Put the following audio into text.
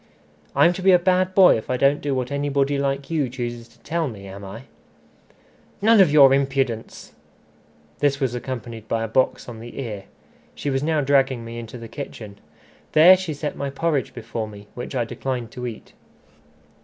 "I'm to be a bad boy if I don't do what anybody like you chooses to tell me, am I?" "None of your impudence!" This was accompanied by a box on the ear. She was now dragging me into the kitchen. There she set my porridge before me, which I declined to eat.